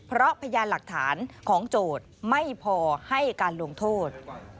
เพราะพยานหลักฐานของโจทย์ไม่พอให้การลงโทษ